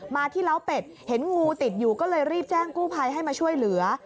มาที่ล้าวเป็ดเห็นงูติดอยู่ก็เลยรีบแจ้งกู้ภัยให้มาช่วยเหลือ